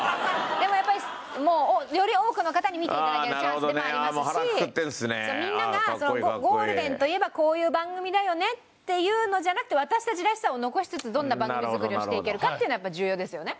でもやっぱりもうより多くの方に見て頂けるチャンスでもありますしみんながゴールデンといえばこういう番組だよねっていうのじゃなくて私たちらしさを残しつつどんな番組作りをしていけるかっていうのはやっぱ重要ですよね。